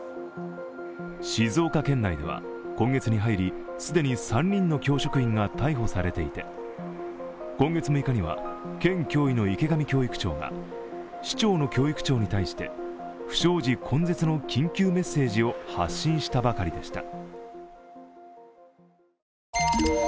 静岡県内では今月に入り既に３人の教職員が逮捕されていて今月６日には、県教委の池上教育長が市町の教育長に対して、不祥事根絶の緊急メッセージを発信したばかりでした。